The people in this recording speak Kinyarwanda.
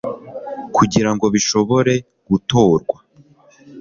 kugira ngo bishobore gutorwa